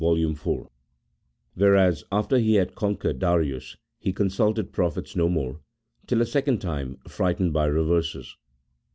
4) ; whereas after he had conquered Darius he consulted prophets no more, till a second time frightened by reverses.